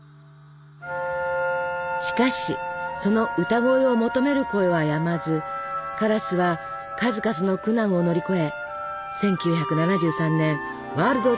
しかしその歌声を求める声はやまずカラスは数々の苦難を乗り越え１９７３年ワールドツアーを開催。